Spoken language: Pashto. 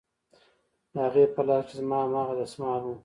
د هغې په لاس کښې زما هماغه دسمال و.